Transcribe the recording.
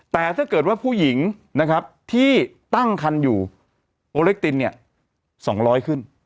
แต่ถ้าเกิดว่าผู้หญิงนะครับที่ตั้งคันอยู่โอเล็กตินเนี่ย๒๐๐ขึ้น